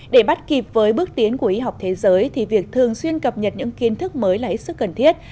để bắt kịp với bước tiến của y học thế giới thì việc thường xuyên cập nhật những kiến thức mới lấy sức cần thiết